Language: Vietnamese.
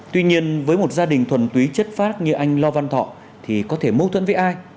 tuy nhiên với một gia đình thuần túy chất phát như anh lo văn thọ thì có thể mâu thuẫn với ai